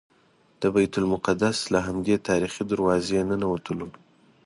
د بیت المقدس له همدې تاریخي دروازې ننوتلو.